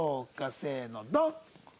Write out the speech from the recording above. せーのドン！